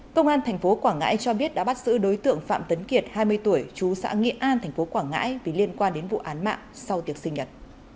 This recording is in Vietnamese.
công an tp quảng ngãi cho biết đã bắt giữ đối tượng phạm tấn kiệt hai mươi tuổi chú xã nghị an tp quảng ngãi vì liên quan đến vụ án mạng sau tiệc sinh nhật